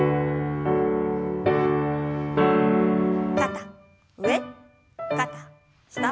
肩上肩下。